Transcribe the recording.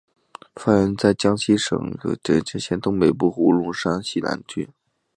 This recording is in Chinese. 发源在江西省婺源县东北部的五龙山西南麓。